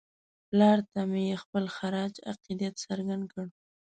پلار ته مې یې خپل خراج عقیدت څرګند کړ.